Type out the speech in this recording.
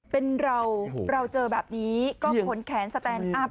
เป็นเราเราเจอแบบนี้ก็ขนแขนสแตนอัพ